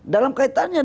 dalam kaitannya dengan